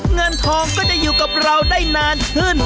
เงินทองก็จะอยู่กับเราได้นานขึ้น